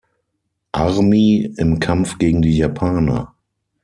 Army im Kampf gegen die Japaner.